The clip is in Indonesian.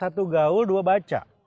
satu gaul dua baca